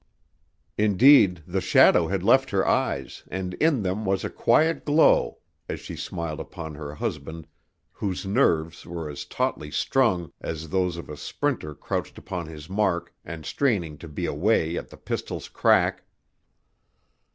Indeed the shadow had left her eyes and in them was a quiet glow as she smiled upon her husband whose nerves were as tautly strung as those of a sprinter crouched upon his mark and straining to be away at the pistol's crack.